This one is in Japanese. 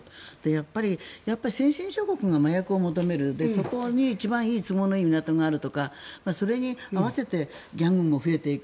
やっぱり先進諸国が麻薬を求めるそこに一番都合のいい港があるとかそれに合わせてギャングも増えていく。